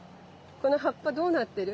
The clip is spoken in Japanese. この葉っぱどうなってる？